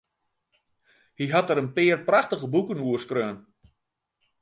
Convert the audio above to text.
Hy hat dêr in pear prachtige boeken oer skreaun.